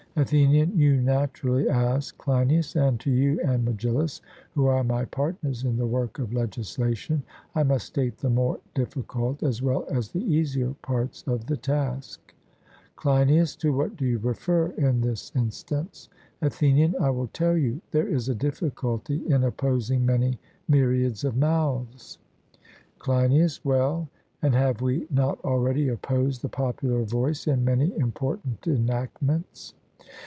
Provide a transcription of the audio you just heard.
ATHENIAN: You naturally ask, Cleinias, and to you and Megillus, who are my partners in the work of legislation, I must state the more difficult as well as the easier parts of the task. CLEINIAS: To what do you refer in this instance? ATHENIAN: I will tell you. There is a difficulty in opposing many myriads of mouths. CLEINIAS: Well, and have we not already opposed the popular voice in many important enactments?